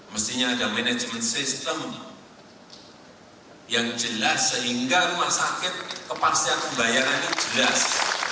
mestinya ada manajemen sistem yang jelas sehingga rumah sakit kepastian pembayarannya jelas